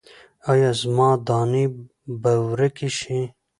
ایا زما دانې به ورکې شي؟